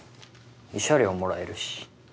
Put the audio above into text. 慰謝料もらえるし。